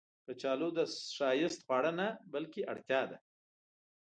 کچالو د ښایست خواړه نه، بلکې اړتیا ده